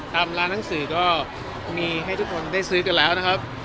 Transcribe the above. ตามร้านหนังสือก็มีให้ทุกคนได้ซื้อกันแล้วนะครับ